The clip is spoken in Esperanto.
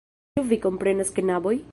Ĉu vi komprenas, knaboj?